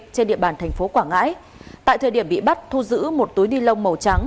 trên địa bàn tp quảng ngãi tại thời điểm bị bắt thu giữ một túi ni lông màu trắng